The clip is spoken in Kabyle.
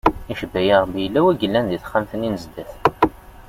Icebba-yi Ṛebbi yella wi yellan di taxxamt-nni n zdat.